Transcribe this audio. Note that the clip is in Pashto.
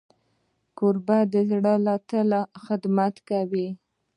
کوربه د زړه له تله خدمت کوي.